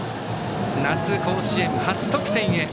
夏甲子園、初得点へ。